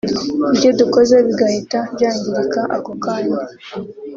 ibyo dukoze bigahita byangirika ako kanya